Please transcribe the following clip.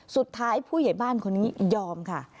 สุดท้ายผู้เย็บบ้านคนนี้ยอมค่ะ